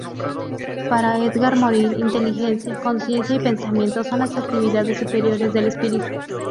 Para Edgar Morin, inteligencia, consciencia y pensamiento son las actividades superiores del espíritu.